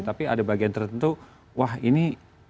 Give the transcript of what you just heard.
tapi ada bagian tertentu wah ini